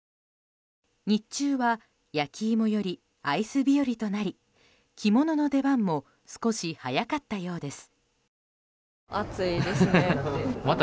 日中は焼き芋よりアイス日和となり着物の出番も少し早かったようです。